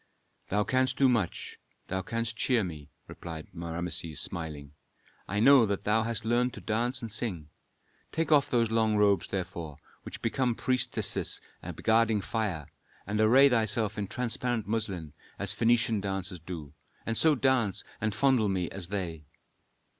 "Thou canst do much. Thou canst cheer me," replied Rameses, smiling. "I know that thou hast learned to dance and sing. Take off those long robes, therefore, which become priestesses guarding fire, and array thyself in transparent muslin, as Phœnician dancers do. And so dance and fondle me as they."